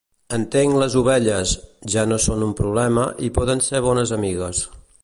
Entenc les ovelles; ja no són un problema i poden ser bones amigues.